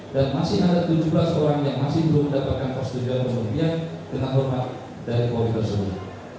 dan masih ada tujuh belas orang yang masih belum mendapatkan keputusan pemberhentian dengan hormat dari kpui tersebut